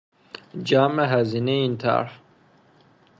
جمع هزینهی این طرح